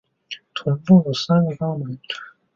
臀部有三个肛门。